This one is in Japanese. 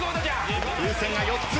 風船が４つ。